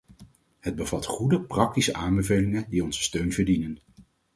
Het bevat goede, praktische aanbevelingen, die onze steun verdienen.